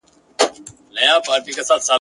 نجوني دا مهال په کورونو کي درس وايي.